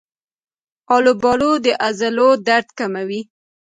آلوبالو د عضلو درد کموي.